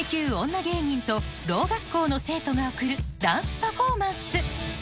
女芸人とろう学校の生徒が送るダンスパフォーマンス